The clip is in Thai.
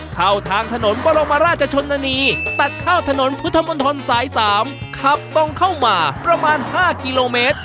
ทางถนนบรมราชชนนานีตัดเข้าถนนพุทธมนตรสาย๓ขับตรงเข้ามาประมาณ๕กิโลเมตร